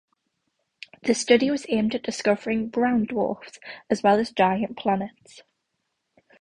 The study was aimed at discovering "brown dwarfs", as well as giant planets.